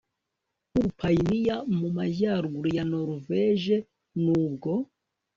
w ubupayiniya mu majyaruguru ya Noruveje Nubwo